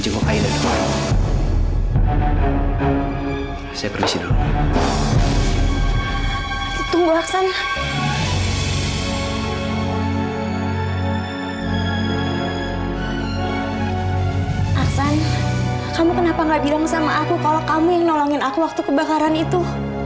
aksana kamu kenapa tidak bilang sama aku kalau kamu yang nolong aku waktu kebakaran itu